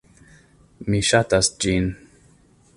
Mi ŝatas ĝin